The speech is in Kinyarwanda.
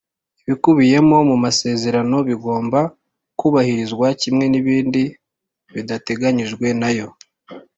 Ibikubiye mumasezerano bigomba kubahirizwa kimwe n ibindi bidateganyijwe nayo